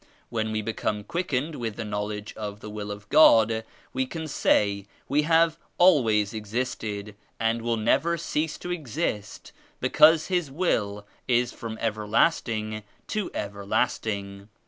When we become quickened with the Knowledge of the Will of God we can say we have always existed and will never cease to exist because His Will is from everlasting to everlasting.